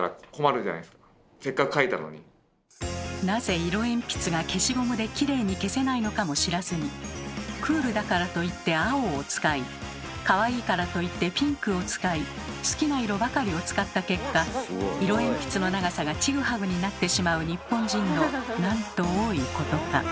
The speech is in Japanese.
なぜ色鉛筆が消しゴムできれいに消せないのかも知らずにクールだからと言って「青」を使いかわいいからと言って「ピンク」を使い好きな色ばかりを使った結果色鉛筆の長さがチグハグになってしまう日本人のなんと多いことか。